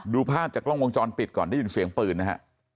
ดูภาพจากกล้องวงจรปิดก่อนได้ยินเสียงปืนนะฮะ